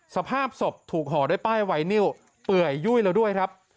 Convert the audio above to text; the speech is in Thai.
สภาพศพถูกห่อด้วยป้ายไวนิวเปื่อยยุ่ยแล้วด้วยครับ